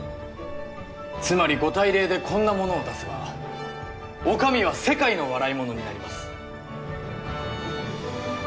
つまりご大礼でこんなものを出せばお上は世界の笑い者になります